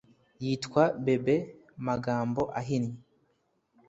yitwa bebe magambo ahinnye.